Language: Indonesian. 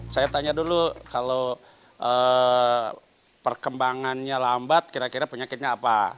saya tanya dulu kalau perkembangannya lambat kira kira penyakitnya apa